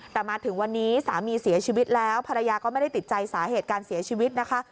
แต่มาถึงวันนี้สามีเสียชีวิตแล้วภรรยาก็ไม่ได้ติดใจสาเหตุการเสียชีวิตนะคะ